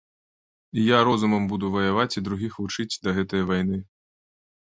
І я розумам буду ваяваць і другіх вучыць да гэтае вайны.